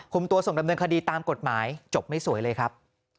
ตัวส่งดำเนินคดีตามกฎหมายจบไม่สวยเลยครับ